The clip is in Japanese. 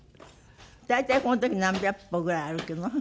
大体この時何百歩ぐらい歩くの？